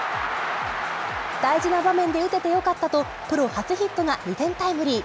大事な場面で打ててよかったと、プロ初ヒットが２点タイムリー。